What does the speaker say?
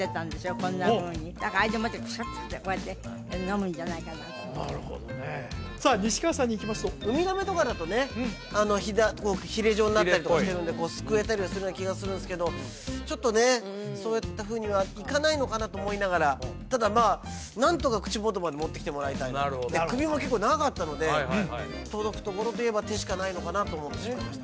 こんなふうにだからあれでもってくしゃっとしてこうやって飲むんじゃないかなとなるほどねさあ西川さんにいきますとウミガメとかだとねあのひれ状になったりとかしてるんでこうすくえたりはするような気がするんですけどちょっとねそういったふうにはいかないのかなと思いながらただまあ何とか口元まで持ってきてもらいたいなとで首も結構長かったので届くところといえば手しかないのかなと思ってしまいました